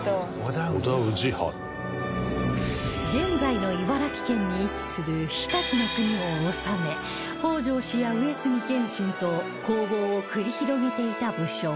現在の茨城県に位置する常陸国を治め北条氏や上杉謙信と攻防を繰り広げていた武将